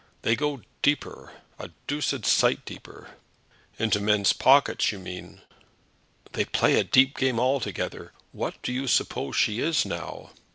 They go deeper; a doosed sight deeper." "Into men's pockets, you mean." "They play a deep game altogether. What do you suppose she is, now?"